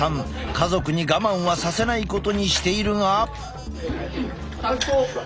家族に我慢はさせないことにしているが。